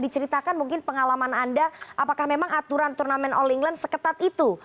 diceritakan mungkin pengalaman anda apakah memang aturan turnamen all england seketat itu